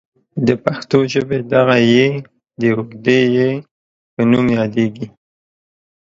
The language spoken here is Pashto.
د پښتو ژبې دغه ې د اوږدې یا په نوم یادیږي.